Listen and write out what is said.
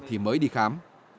thì mới đi khám